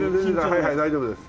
はいはい大丈夫です。